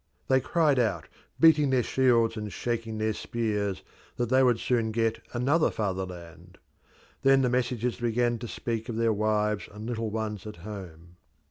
They cried out, beating their shields and shaking their spears, that they would soon get another fatherland. Then the messengers began to speak of their wives and little ones at home.